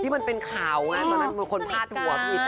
ที่มันเป็นข่าวมันเป็นคนพลาดหัว